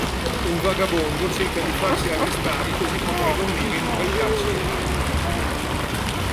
Un vagabondo cerca di farsi arrestare così potrà dormire in un bel carcere caldo.